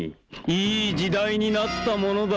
いい時代になったものだ。